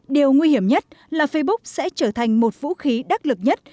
điều nguy hiểm nhất là facebook sẽ trở thành một vũ khí đắc lực nhất